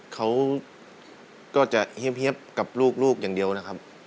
เขาก็จะเฮี้ยบเฮี้ยบกับลูกลูกอย่างเดียวนะครับ